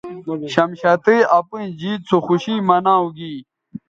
شمشتئ اپئیں جیت سو خوشی مناؤ گی